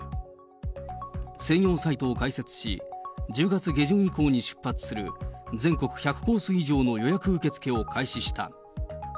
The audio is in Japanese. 専用サイトを開設し、１０月下旬以降に出発する、全国１００コース以上の予約受け付けを開始した。